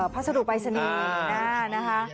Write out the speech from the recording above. ภาษาดูปรายศนีย์นะคะ